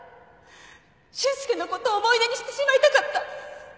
俊介のこと思い出にしてしまいたかった。